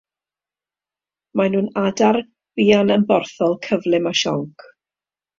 Maen nhw'n adar buan-ymborthol cyflym a sionc.